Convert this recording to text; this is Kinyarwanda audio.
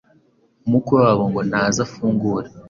umukwe wabo ngo naze afungure.